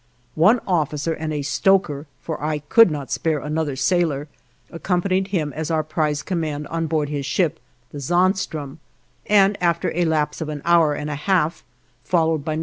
One officer and a stoker, for I could not spare another sailor, accompanied him as our prize command on board his ship, the "Zaanstroom," and after a lapse of an hour and a half, followed by No.